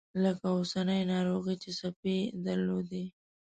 لکه اوسنۍ ناروغي چې څپې درلودې.